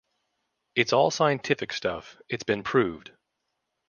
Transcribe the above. It's all scientific stuff; it's been proved.